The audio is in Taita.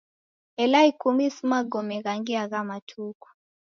Elfu ikumi si magome ghangi agha matuku!